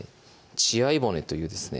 血合い骨というですね